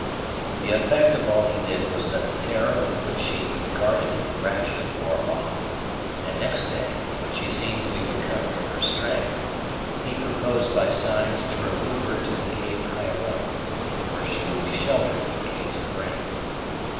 The effect of all he did was that the terror with which she regarded him gradually wore off; and next day, when she seemed to be recovering her strength, he proposed by signs to remove her to the cave higher up, where she would be sheltered in case of rain.